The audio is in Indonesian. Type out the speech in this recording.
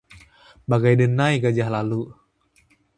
Bagai denai gajah lalu